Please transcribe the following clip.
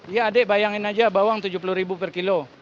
ya adik bayangin aja bawang rp tujuh puluh per kilo